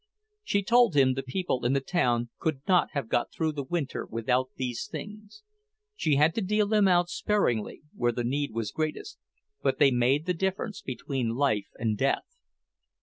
She told him the people in the town could not have got through the winter without these things. She had to deal them out sparingly, where the need was greatest, but they made the difference between life and death.